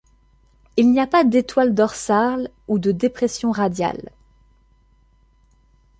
Il n'y a pas d'étoile dorsale ou de dépressions radiales.